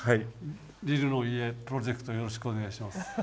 リルの家プロジェクトよろしくお願いします。